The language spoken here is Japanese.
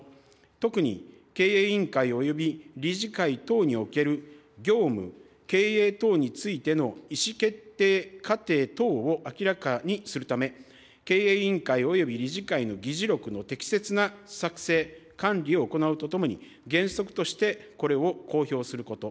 特に、経営委員会および理事会等における業務、経営等についての意思決定過程等を明らかにするため、経営委員会および理事会の議事録の適切な作成、管理を行うとともに原則としてこれを公表すること。